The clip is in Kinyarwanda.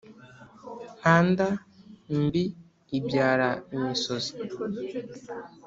nkanda mbi ibyara imisuzi